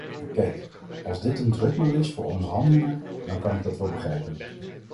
Kijk, als dit een drukmiddel is voor onderhandelingen, dan kan ik dat wel begrijpen.